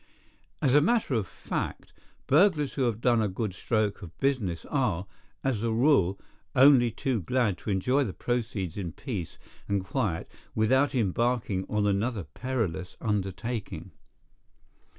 As a matter of fact, burglars who have done a good stroke of business are, as a rule, only too glad to enjoy the proceeds in peace and quiet without embarking on another perilous undertaking.